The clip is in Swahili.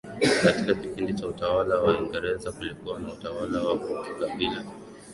Katika kipindi cha utawala wa Waingereza kulikuwa na utawala wa kikabila